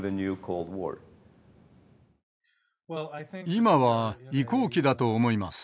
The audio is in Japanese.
今は移行期だと思います。